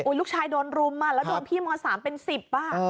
อุ๊ยลูกชายโดนรุมแล้วโดนพี่ม๓เป็นสิบป่ะ